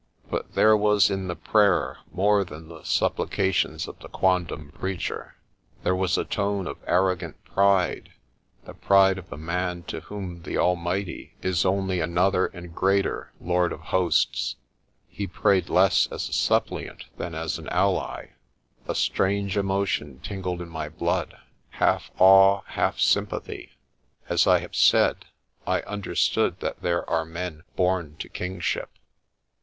But there was in the prayer more than the supplications of the quondam preacher. There was a tone of arrogant pride, the pride of the man to whom the Almighty is only another and greater Lord of Hosts. He prayed less as a suppliant than as an ally. A strange emotion tingled in my blood, half awe, half sympathy. As I have said, I understood that there are men born to kingship.